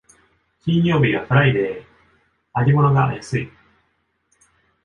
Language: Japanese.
金曜日はフライデー、揚げ物が安い